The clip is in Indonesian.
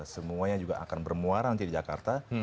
semuanya juga akan bermuara nanti di jakarta